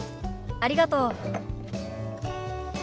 ありがとう。